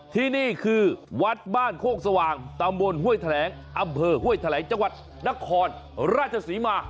ที่นี่คือวัดบ้านโคกสว่างตำบลห้วยแถลงอำเภอห้วยแถลงจังหวัดนครราชศรีมา